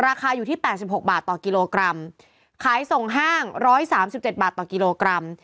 ราคาอยู่ที่๘๖บาทต่อกิโลกรัมขายส่งห้าง๑๓๗บาทต่อกิโลกรัม